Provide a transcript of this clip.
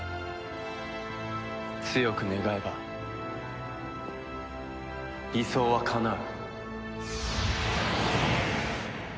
強く願えば理想はかなう。